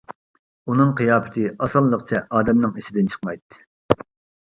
ئۇنىڭ قىياپىتى ئاسانلىقچە ئادەمنىڭ ئىسىدىن چىقمايتتى.